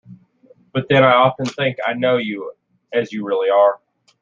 But then I often think I know you as you really are.